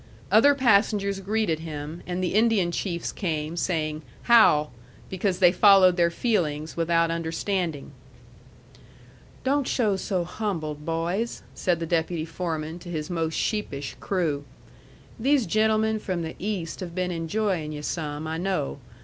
Other passengers greeted him, and the Indian chiefs came, saying, "How!" because they followed their feelings without understanding. "Don't show so humbled, boys," said the deputy foreman to his most sheepish crew. "These gentlemen from the East have been enjoying yu' some, I know.